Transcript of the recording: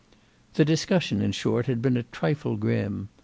The discussion in short had been a trifle grim.